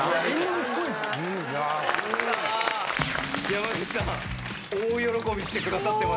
山口さん大喜びしてくださってましたけど。